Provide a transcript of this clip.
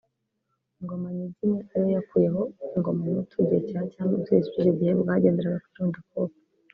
Ingoma Nyiginya ariyo yakuyeho ingoma Mputu igihe cya cyami ubutegetsi bw’icyo gihe bwagenderaga ku irondakoko